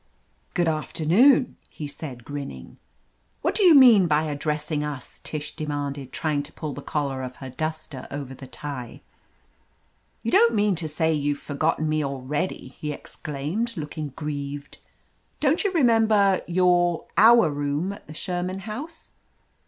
"Good afternoon/' he said, grinning. "What do you mean by addressing us?" Tish demanded, trying to pull the collar of her duster over the tie. "You don't mean to say you've forgotten me already!" he exclaimed, looking grieved. "Don't you remember — ^your — our room at the Sherman House?"